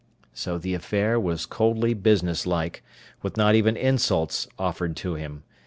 So the affair was coldly businesslike, with not even insults offered to him.